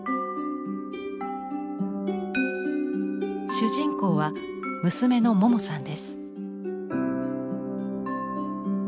主人公は娘のモモさんです。